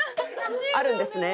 「あるんですね」